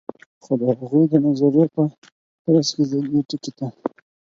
خو د هغوي د نظریو په ترڅ کی زه دې ټکي ته